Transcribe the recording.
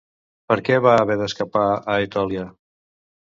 Per què va haver d'escapar a Etòlia?